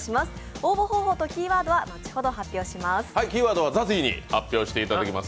応募方法とキーワードは後ほど発表します。